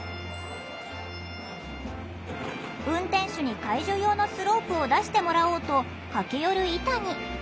運転手に介助用のスロープを出してもらおうと駆け寄るイタニ。